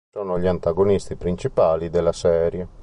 Sono gli antagonisti principali della serie.